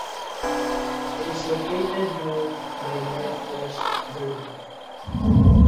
It is located north by northwest of Durban.